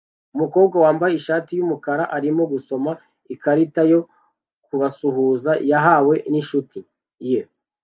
Umukobwa wambaye ishati yumukara arimo gusoma ikarita yo kubasuhuza yahawe ninshuti ye